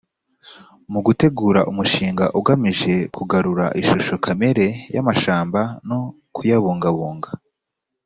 mu gutegura umushinga ugamije kugarura ishusho kamere y amashamba no kuyabungabunga